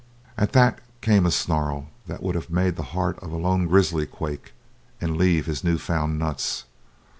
At that came a snarl that would have made the heart of a lone grizzly quake and leave his new found nuts.